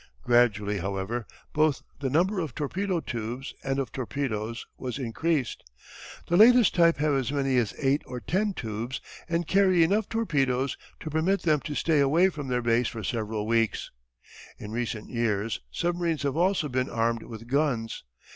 Gradually, however, both the number of torpedo tubes and of torpedoes was increased. The latest types have as many as eight or ten tubes and carry enough torpedoes to permit them to stay away from their base for several weeks. In recent years submarines have also been armed with guns.